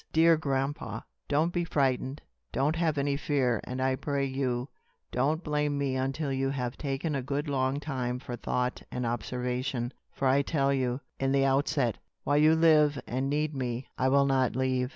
"Dear grandpa, don't be frightened; don't have any fear; and I pray you, don't blame me until you have taken a good long time for thought and observation; for I tell you, in the outset, while you live and need me, I will not leave."